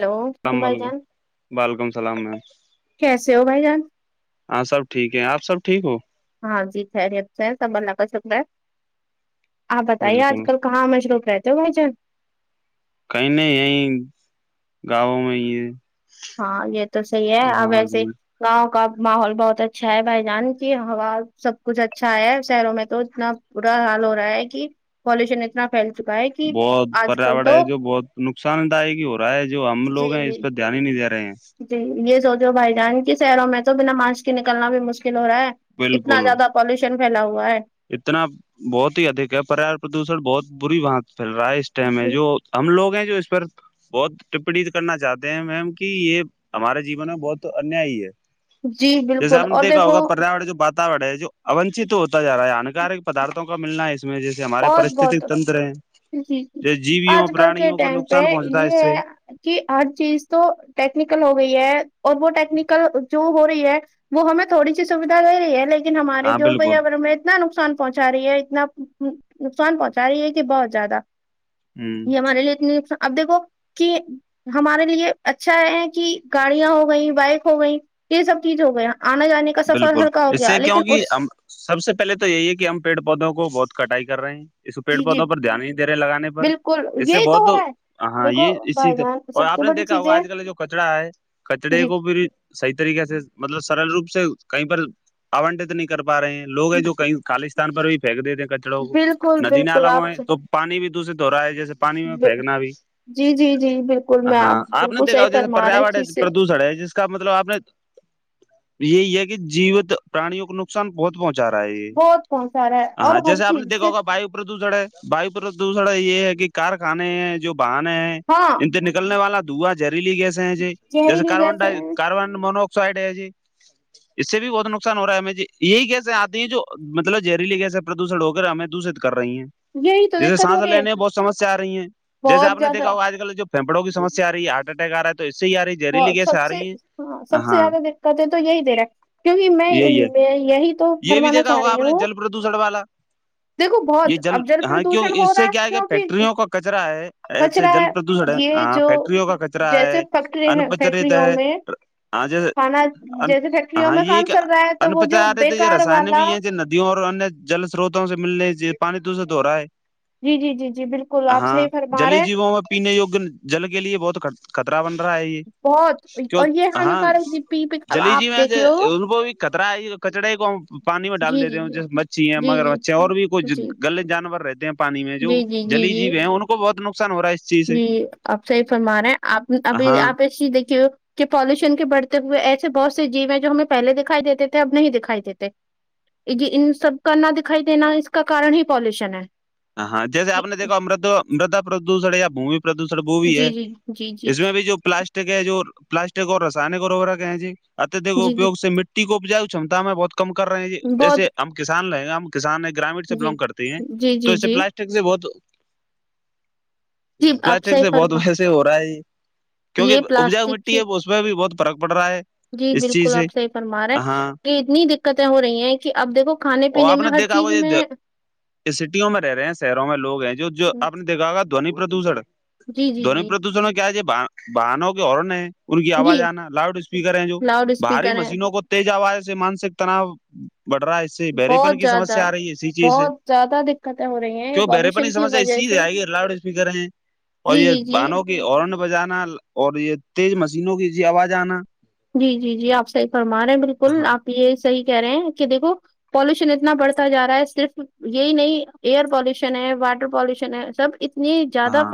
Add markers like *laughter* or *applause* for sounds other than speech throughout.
hello حکم السلام بھائی علیکم جان وعلیکم السلام میم کیسے ہو بھائی جان ہاں سب ٹھیک ہے آپ سب ٹھیک ہو ہاں جی خریت سے سب اللہ کا شکر ہے آپ بتائیے آج بالکل کل *unintelligible* کہیں نہیں یہیں گاؤوں میں ہی ہے ہاں یہ تو صحیح ہے اب ایسے جی گاؤں کا ماحول بہت اچھا ہے بھائی جان کی ہوا سب کچھ اچھا ہے شہروں میں تو اتنا برا حال ہو رہا ہے کہ پالوشن اتنا پھیل چکا ہے کہ بہت آج کل پریاورن تو ہے جو بہت نقصان دائے گی پرائے جو ہم لوگ جی ہیں جی اس پہ دھیان ہی نہیں دے رہے ہیں جی یہ سوچو بھائی جان کی شہروں میں تو بنا ماشک کے نکلنا بھی مشکل ہو رہا ہے اتنا بالکل زیادہ پالوشن پھیلا ہوا ہے اتنا بہت ہی ادھک ہے پریار پردوشن بہت بری باں پھیل رہا ہے اس ٹائم میں جو ہم لوگ ہیں جو اس پر بہت ٹپڑی کرنا چاہتے ہیں میم کہ یہ ہمارے جیون میں بہت انیائی ہے جی جیسے بالکل آپ نے اور دیکھا دیکھو ہوگا پریا وال جو بات رہا ہے جو اوونچ تو ہوتا ج رہا ہے ہانکارک پدارتوں کا ملنا ہے اس میں جس ہمارے بہت پرریست بہت تنتر ہیں جی جی جس جیویوں آج کل کے پرانیوں کو ٹائم پہ نقصان پہنچتا ہے یہ اس سے کہ ہر چیز تو ٹیکنیکل ہو گئی ہے اور وہ ٹیکنیکل جو ہو رہی ہے وہ ہمیں تھوڑی سی سویدھا دے رہی ہے لیکن لیکن ہمارے ہاں جو بالکل پیاورن میں اتنا نقصان پہنچا رہی ہے اتنا نقصان پہنچا رہی ہے تھی بہت زیادہ ہ یہ ہمارے لیے اتنے نقصان اب دیکھو کہ ہمارے لیے اچھا ہے کہ گاڑیاں ہو گئیں بائک ہو گئی یہ سب چیز ہو گیا آنا جانے کا سفر بالکل ہلکا ہو اس گیا سے لیکن کیونکہ اس ہم سب سے پہلے تو یہی ہے کہ ہم پیڑ پودوں کو بہت کٹائی کر رہ ہیں اس کو پیڑ جی جی پودوں پر دھیان نہیںے رہے لگانے پہ بالکل اس سے یہی بہت ہو تو رہا ہے ہاں دیکھو یہ بھائی اسیز جان اور سب آپ سے نے بڑی دیکھا ہوگا چیزیں آج کل جو کچرا ہے جی کچڑے کو پھر صحیح طریقے سے مطلب سرل روپ سے کہیں پر آنٹت نہیں کر پا رہے ہیں لوگ ہیں جو کہیں خالستان پر بھی پھینک دیےتے بالکل ندی بالکل نالوں میں آپ میں سے تو پانی بھی دشت ہو رہا ہے جیسے پانی میں پھینکنا بھی جی جی جی بالکل میں ہاں آپ نے بالکل صحیح دیکھا جیسے فرما رہا پریا اس ہے چیز سے پردوشن ہے جس کا مطلب آپ نے یہی ہے کہ جیوت پرانیوں کو ن نقصان بہت پہنچا رہا ہے یہ بہت بہت سارا ہے اور ہاں ہر جیسے آپ نے چیز دیکھا سے ہوگا وایو پردوشن ہے بھائی پر دوسرا یہ ہے کہ کارخانے ہیں جو باہن ہیں ہاں ان سے نکلنے والا تھا دوا جہریلی گیس ہے جی جیسے زہریلی کاربن گیس ہے ڈ کاربن مونوکسائڈ ہے جی اس سے بھی بہت نقصان ہوا ہے ہمیں جی یہی گیسے آتی ہیں جو مطلب زہریلی گیس پردوشن ہو کر ہمیں د دوشت کر رہی ہیں یہی تو جیسے دقت ہو سانس رہی لینے ہے میں بہت سمسیا آ رہی ہے جیسے بہت آپ نے زیادہ دیکھا ہو آج کل جو پھیپڑوں کی سمسیا آ رہی ہارٹ اٹیک آ رہا تو اس سے آ رہی ہے اور زہریلی گیس سب آ سے رہی ہے ہاں سب سے زیادہ دقت ہے تو یہی دے رہا کیونکہ میں یہی میں یہی تو یہ بھی فرمانا دیکھا چاہ ہوگا رہی آپ نے ہوں جل پردوشن والا دیکھو یہ بہت اب جل ہاں کیوں پردوشن ہو اس رہا سے ہے کیا کہ فیکٹریوں کا کچرا ہے کیوںک ایسے کچرا جل پردوشن ہے یہ ہاں جو فیکٹریوں کا کچرا جیسے ہے فیکٹری انپچرت فیکٹریوں ہے میں ہاں جیسے پھان جیسے فی ہاں یہ ایک انپچار ہے تو یہ رسان والا بھی ہے جو ندیوں اور جل سروتوں سے ملنے چیے پانی تو اس سے تو ہو رہا ہے جی جی جی جی بالکل آپ ہاں صحیح فرما جلی رہے ہیں، جیووں میں پینے وگ جل کے لیے بہت ک خطرہ بن رہا ہے یہ بہت کی اور یہ ہاں ہانیکارک دی پی پک اب جلی آپ جیون دیکھے میں ہو تو ب خترہ کچڑے کو پانی میں ڈال جی جی دیتے ہیں جی جیس مچھیی ہیں مگر جی مچھی اور بھی کچھ جی جی گلے جانور رہتے ہیں پانی میں جو جی جی جی جلی جی جیو ہیں ان کو بہت نقصان ہو رہا ہے اس چیز سے جی آپ صحیح فرما رہے ہیں آپ ابھی ہاں آپ ایسی دیکھیے کہ پالوشن کے بڑھتے ہوئے ایسے بہت سے جیو ہیں جو ہمیں پہلے دکھائی دیتے تھے اب نہیں دکھائی دیتے جی ان سب کا نہ دکھائی دینا اس کارن ہی پالوشن ہے ہاں ہاں جیسے اپ نے دیکھا امرد مردا پردوشن یا بھمی پردوشن وہ بھی ہے جی جی جی جی اس میں بھی جو پلاسٹک پلاسٹک اور رسائنک وغہ ج اتد جی جی اپگ سے ک کو اپجائے کمتا میں بہت کم کر رہے ہیں بہت جیے ہم کسان لیں گے ہم کسان گرامین سے جی بلانگ کرتی ہیں جی تو جی اس سے جی پلاسٹک سے بہت جی آپ پلاسٹک صحیح سے بہت فرما ویسے ہو رہا ہے کیوںکہ یہ اپجاؤ پلاسٹک مٹی کی ہے وہ اس میں بھی بہت فرق پڑ رہا ہے جی اس چیز بالکل سے آپ صحیح پرمار رہے ہیں ہاں کہ اتنی دقتیں ہو رہی ہیں کہ اب دیکھو کھانے اور پینے آپ میں نے ہر دیکھا چیز ہو میں یہ سٹیوں میں رہ رہے ہیں شہروں میں لوگ ہیں جو جو آپ نے دیکھا گا دونی پردوشن جی جی دووننی جی پردوشن کیا بنوں کی ہن ہے ان کی جی آواز آنا لاؤڈ اسپیکر ہیں جو لاؤڈ باہری اسپیکر ہیں مشینوں کو تیز آواز سے مانسک تناؤ بڑھ رہا ہے اس سے بہت بریپن کی زیادہ سسیا آ رہی ہے اسی چیز سے بہت زیادہ دقتیں ہو رہی ہیں یہ کیوں بہرے پن نہیں پالوشن کی سمجھتا وجہ اسی سے آئے گی لاؤڈ اسپیکر ہیں اور جی یہ جی جی بانوں کی ہورن بجانا اور یہ تیز مشینوں کی آواز آنا جی جی جی آپ صحیح فرما رہے ہیں بالکل ہاں آپ یہ صحیح کہہ رہے ہیں کہ دیکھو پالوشن اتنا بڑھتا جا رہا ہے صرف یہی نہیں ایئر پالوشن ہے واٹر پالوشن ہے سب ا ہاں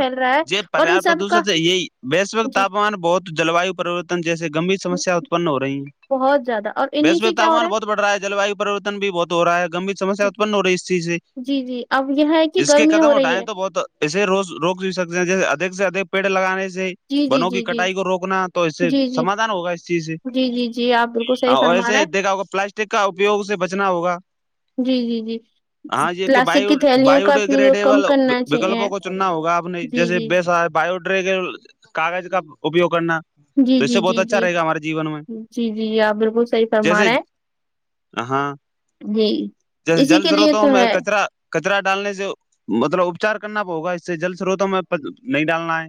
یہ پریا کا پردوشن سے یہی ویشک تاپمان بہت جلوایو پرورت جیس گبر جی سمسیا اتپن ہو رہی ہیں بہت زیادہ اور انہیں سے ویشوک کیا ہو تامان بہت بڑ رہا ہے جلاوورریورتن بھی بہت ہو رہا ہے گب سمس اتپن ہو رہی اس چیز سے جی جی اب یہ ہے کہ گرمی ہو رہی ہے ایے روز روک بھی سکتے ہیں جیسے ادک سے ادک پیڑ لگانے سے جی جی بنوں کی جی جی کٹائی کو روکنا تو اسے جی جی سمادھان ہوگا اس چیز سے جی جی جی آپ بالکل صحیح ہ اور فرما رہے ایسے ہیں دیکھا ہوگا پلاسٹک کا اپیوگ سے بچنا ہوگا جی جی جی ہاں جی کہ ب پلاسٹک کی تھیلیوں کا پریوگ کم بیوڈیگریڈیبل کرنا چاہیے وکلپوں کو چننا ہوگا آپ نے جی جیس جی بس باڈ کاغذ کا اپیوگ کرنا جی تو اس جی سے جی بہت اچھا جی رہے گا ہمارے جیون میں جی جی جی آپ بالکل صحیح فرما جیسے رہے ہیں ہاں جی جیسے اسی جل کے لیے سروتوں تو میں ہے کچرا کچرا ڈالنے سے مطلب اپچار کرنا پگا اس سے جل سروتوں میں نہیں ڈالنا ہے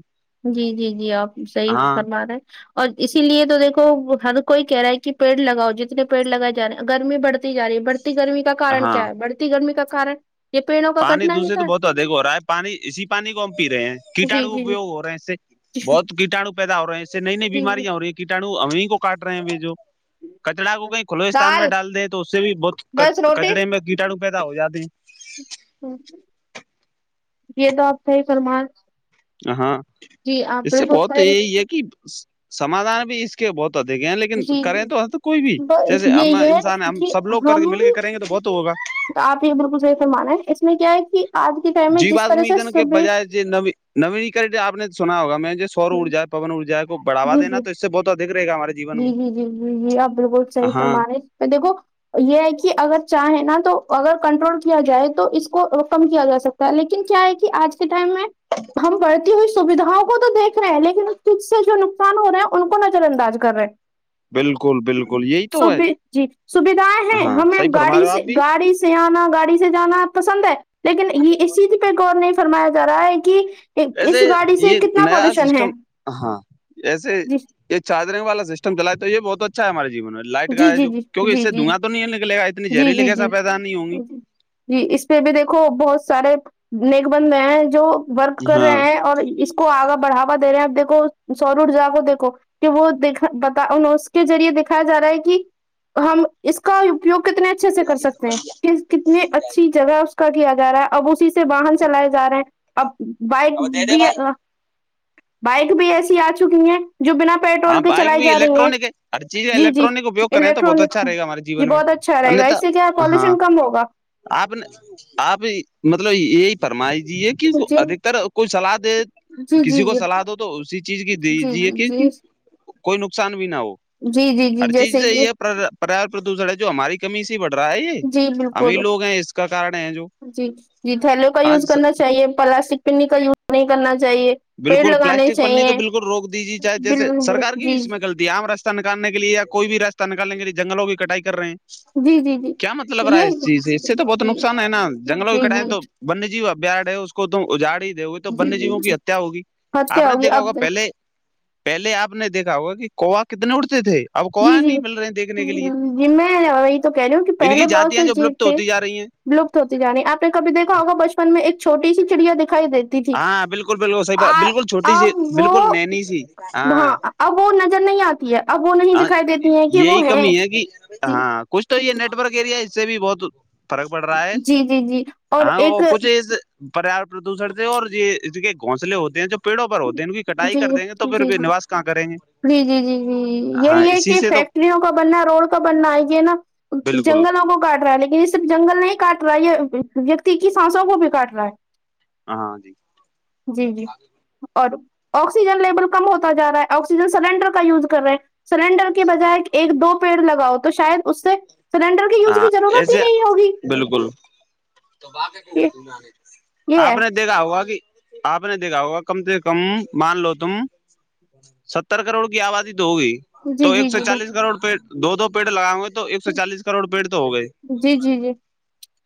جی جی جی آپ صحیح ہاں فرما رہے ہیں اور اسی لیے تو دیکھو ہر کوئی کہہ رہا ہے کہ پیڑ لگاؤ جتنے پیڑ لگائے ج رہے ہیں گرمی بڑھ تی جا رہی ہے بڑھتی گرمی کا کن ہاں کیا ہے بڑتی گرمی کا کارن یہ پیڑوں کا پانی کٹنا ہی دوسرے تو تھا بہت ادھک ہو رہا ہے پانی اسی پانی کو ہم پی رہے ہیں جی کیٹاڑو جی جی اپیوگ ہو رہے ہیں اس سے بہت کٹاو پیدا ہو رہے ہیں اسس سے نئی نئی جی بیماریاں ہو رہی ہیں کٹاو ہمیں کو کاٹ رہے ہیں جو جی کچرا کو کہیں کھلو استان میں دال ڈال دیں تو اس سے بھی بہت بس روٹی کچڑے میں گٹا ڈوبہے تو ہو جای ہ یہ تو آپ کا ہی فرمان ہاں اس سے بالکل بہت صحیح یہ یہ کہ سمادھان بھی اس کے بہت تا دے گئے ہیں لیکن جی جی کریں توے تو کوئی بھی جیسے یہ ہم یہ ہے انسان ہم کہ سب لوگ کر کے مل کے کریں گے تو بہت ہوگا تو آپ یہ بالکل صحی فرمایا اس میں کیا ہے کہ آج کے ٹائم میں جس طرح سے سبھی نوینیکر آپ نے سنا ہوا میں نے سور ارجا پون ارجا کو بڑھاوا جی دینا جی تو اس سے بہت دکھ رہے گا ہماری جی جی جی جی جی آپ بالکل صحی ہاں فرما رہے پر دیکھو یہ ہے کہ اگر چاہے نا تو اگر کنٹرول کیا جائے تو اس کو کم کیا جا سکتا لیکن کیا ہے کہ آج کے ٹائم میں ہم بڑھتی ہوئی سویدھاؤں کو تو دیکھ رہے ہیں لیکن اس سے جو نقصان ہو رہا ہے ان کو نظر انداز کر رہے ہیں بالکل بالکل یہی تو ہے جی سویدھایں ہیں ہاں ہمیں صحیح فرما گاڑی رہے ہو سے آپ بھی گاڑی سے سے آنا گاڑی سے جانا پسند ہے لیکن یہ اس چیز پے غور نہیں فرمایا جا رہا ہے کہ اس ایسے گاڑی سے یہ کتنا نیا پالوشن ہے سسٹم ہاں جیسے جی یہ چادرے والا سسٹم چلا ہے تو یہ بہت اچھا ہے ہمارے جیون میں لائٹ جی ہے جی جو جی کیون کی اس جی سے جی دھوا تو نہیں نکلے گا اتنی جی زہریلی جی گیس جی پیدا نہیں ہوں گی جی جی اس پے بھی دیکھو بہت سارے نیک بندے ہیں جو ورک کر ہاں رہے ہیں اور اس کو آگا بڑھاوا دے رہے ہیں اب دیکھو سور ارجا کو دیکھو کہ وہ دیکھا پتا ہے اس کے ذریعے دیکھا جا رہا ہے کہ ہم اس کا لوگ کتنے اچھے سے کر سکتے ہیں کہ کتنی اچھی جگہ اس کا لیا جا رہا ہے اب اسی سے واہن چلائے جا رہے ہیں اب بائک بھی بائک بھی ایسی آ چکی ہیں جو بنا ہاں پیٹرول کے بائک چلائی بھی جا رہی ہیں الیکٹرانک ہے ہر چیز کا جی جی الیکٹرانک اپیوگ کریں تو بہت الیکٹرانک اچھا رہے گا ہمارے جی جیون میں بہت اچھا رہے گا انیہتا اس سے کیا ہاں پالیوشن کم ہوگا آپ نے آپ مطلب یہی فرمائی جی کہ جی ادھکتر کوئی صلاح دے جی جی کسی کو جی صلاح دو تو اسی چیز کی جی دیجیے کی جی جی کوئی نقصان بھی نہ ہو جی جی جی ہر چیز جیسے سے کہ یہ ہے پر پردوشن ہے جو ہماری کمی سے بڑھ رہا ہے یہ جی ہمیں بالکل لوگ ہیں اس کا کارن ہے جو جی جی تھیلوں کا ہاں یوز کرنا چاہیے پلاسٹک پنی کا یوز نہیں کرنا چاہیے پیڑ بالکل لگانے پلاسٹک پنی تو چاہیے بالکل روک دیی جائے جیسے بل سرکار کی بھی جی اس میں غلط دیام راستہ نکالنے کے لیے یا کوئی بھی راستہ نکالنے کے لیے جنگلوں کی کٹائی کر رہے ہیں جی جی جی کیا مطلب رہا ہے یہ اس جی چیز سے اس سے تو بہت جی نقصان ہے نا جنگلوں کی جی کٹائیں تو ونیہ جیو ابھیار ہے کو تم اجاڑ ہی دے ہوی تو جی ونیہ جی جیوں کی جی ہتیا ہوگی آپ ہتیا نے ہوگی دیکھا ہوگا اب پہلے پہلے آپ نے دیکھا ہوگا کہ کووا کتنے اگتے تھے اب جی کوا جی نہیں مل رہے ہیں دیکھنے کے لیے جی میں وہی تو وہی کہہ رہی ہوں کہ ان کی پہلے بہت سے جاتیاں جو جیو ولپت تھے ہوتی جا رہی ہیں ویلپت ہوتی جا رہی ہے آ نے کبھی دیکھا ہوگا بچپن میں ایک چھوٹی سی چڑیا دکھائی دیتی تھی ہاں بالکل بالکل صیح آ بالکل چھوٹی سی اب بالکل وہ ننھی سی ہاں ہاں اب وہ نظر نہیں آتی ہے اب وہ نہیں ہاں دکھائی دے یہی کمی ہے کہ ہاں کچھ تو یہ نیٹ ورک ایریا اس سے بھی بہت فرق پڑ رہا ہے جی جی جی اور ہاں ایک وہ کچھ پریاپت پردوشن سے اور یہ اس کے گھونسلے ہوتے ہیں جو پیڑوں پر ہوتے ہیں ان کی کٹائی جی کر جی دیں گے تو پھر نواس کہاں کریں گے جی جی جی جی جی ہاں یہی ہے اسی کہ سے تو فیکٹریوں کا بننا ہے روڈ کا بننا ہے یہ نا بالکل جنگلوں کو کاٹ رہا ہے لیکن اس صرف جنگل نہیں کاٹ رہا یہ ویکتی کی سانسوں کو بھی کاٹ رہا ہے ہاں جی جی جی اور آکسیجن لیول کم ہوتا جا رہا ہے آکسیجن سلینڈر کا یوز کر رہے ہیں سلینڈر کے بجائے ایک دو پیڑ لگاؤ تو شاید اس سے سلینڈر کے یوز ہاں کی ضرورت ہی ایسے نہیں ہوگی بالکل یہ یہ آپ نے ہے دیکھا ہوگا کہ آپ نے دیکھا ہوگا کم سے کم مان لو تم ستر کروڑ کی آبادی تو ہوگی تو جی ایک جی سو چالیس جی کروڑ پ دو دو پیڑ لگائ ہو گے تو ایک سو چالیس کروڑ پیڑ تو ہو گئے جی جی جی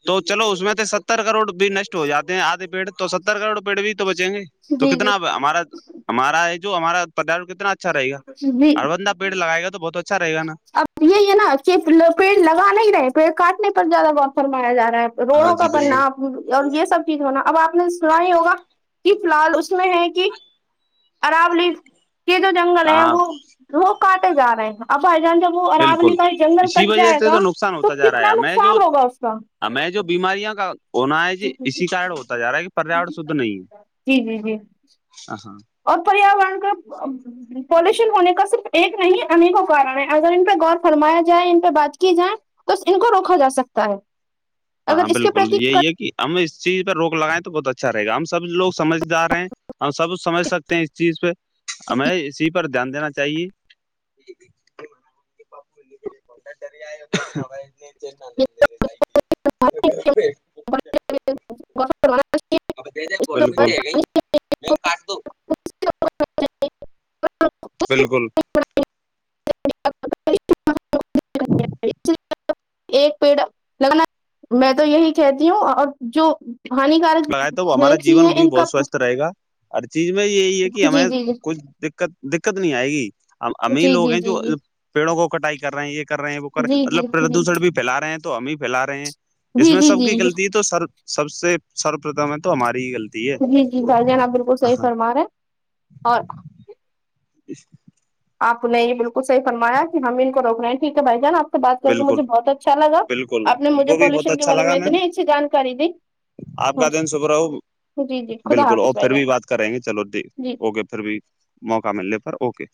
تو چلو اس میں سے ستر کروڑ بھی نشٹ ہو جاتے ہیں آدے پیڑ تو ستر کروڑ پیڑ بھی تو بچیں گے تو جی کتنا ہمارا ہمارا یہ جو ہمارا پر کتنا اچھا رہے گا جی جی اربندہ پیٹ لگائے گا تو بہت اچھا رہے گا نا اب یہی ہے نا کہ پیڑ لگانا ہی رہے پیڑ کاٹنے پر زیادہ و فرمایا جا رہا ہے روڑوں کا بننا اور یہ سب چیز ہونا اب آپ نے سنا ہی ہوگا ج فی الحال اس میں ہے کہ اراولی یہ جو جنگل ہیں ہاں وہ وہ کاٹے جا رہے ہیں اب بھائی جان ج بالکل اراولی کا جنگل اسی کٹ وجہ جائے سے تو گا نقصان تو ہوتا جا رہا ہے کتنا ہمیں جو نقصان ہوگا اس کا ہمیں جو بیماریاں کا ہونا ہے ج اسی کار ہوتا جا رہا ہے کہ پریاور شدھ نہیں ہے جی جی جی ا ہاں اور پریاوارن کا پالوشن ہونے کا صرف ایک نہیں انیکوں کارن ہے اگر ان پہ غور فرمایا جائے ان پہ بات کی جائے تو ان کو روکا جا سکتا ہے ہاں اگر ہاں اس کے بالکل پرتی یہی ہے کہ ہم اس چیز پہ روک لگائیں تو بہت اچھا رہے گا ہم سب لوگ سمجھدار ہیں ہم سب سمجھ سکتے ہیں اس چیز پہ ہمیں اسی پر دھیان دینا چاہیے *inaudible* پاپوے پڈ ڈری آ ب *inaudible* *inaudible* اب دے د ے ب گ مم کاس دو بالکل ایک پیڑ لگانا میں تو یہی کہتی ہوں اور جو ہانی کار لگائے تو وہ ہمارا جیون بھی بہت سوستھ رہے گا ہر چیز میں یہی ہے کہ جی ہمیں جی جی کچھ دقت دقت نہیں آئے گی امیر جی لوگ جی ہیں جی جو جی پیڑوں کو کٹائی کر رہے ہیں یہ کر رہے ہیں وہ کر رہے جی جی جی مطلب جی پردوشن بھی پھیلا رہے ہیں تو ہم ہی پھیلا رہے ہیں اس میں جی سب کی جی غلطی تو سر سب سے سروپتھم ہے تو ہماری ہی غلط جی جی بھائی جان آپ بالکل صحیح فرما رہے اور اس آپ نے یہ بالکل صحی فرمایا کہ ہم ان کو روک رہے ہیں ٹھیک ہے بھائی جان آپ سے بات کر کے بالکل مجھے بہت اچھا لگا بالکل آپ نے ہم مجھے کو بھی بہت پالوشن کے اچھا بارے لگا میں میم اتنی اچھی جانکاری دی آپ کا دن سب رہو جی جی خدا بالکل اور حافظ پھر بھائی بھی جان بات کریں گے چلو ٹھیک جی اوکے پھر بھی موقع مل پر اوکے